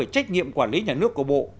trách nhiệm quản lý nhà nước của bộ